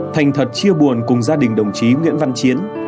thành thật chia buồn cùng gia đình đồng chí nguyễn văn chiến